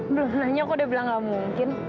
belum nanya kok udah bilang enggak mungkin